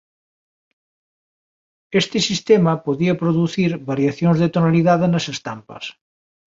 Este sistema podía producir variacións de tonalidade nas estampas.